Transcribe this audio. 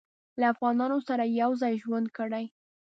له افغانانو سره یې یو ځای ژوند کړی.